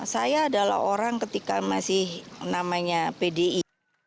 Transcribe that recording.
saya adalah orang ketika masih namanya pdi